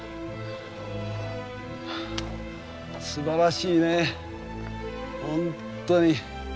すばらしいね本当に。